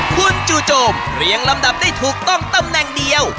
คุณจู่โจมเรียงลำดับได้ถูกต้องตำแหน่งเดียว